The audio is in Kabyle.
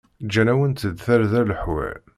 Ǧǧan-awent-d tarda leḥwal.